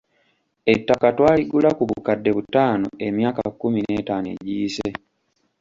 Ettaka twaligula ku bukadde butaano emyaka kkumi n'etaano egiyise.